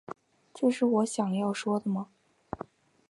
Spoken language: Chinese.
这是我想要说的吗